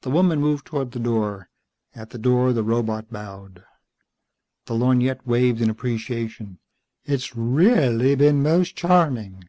The woman moved toward the door. At the door the robot bowed. The lorgnette waved in appreciation. "It's reahlly been most charming!"